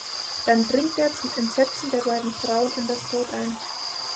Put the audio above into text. Dann dringt er zum Entsetzen der beiden Frauen in das Boot ein.